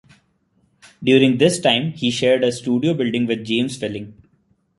During this time, he shared a studio building with James Welling.